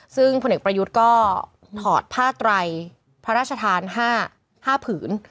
ซึ่งพลเอกประยุทธ์ก็ถอดผ้าไตรพระราชทาน๕ผืน